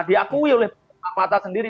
diakui oleh pak patah sendiri